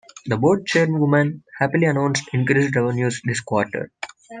The board chairwoman happily announced increased revenues this quarter.